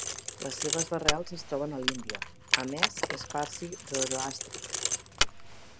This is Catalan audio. Les seves arrels es troben a l'Índia; a més, és Parsi zoroàstric.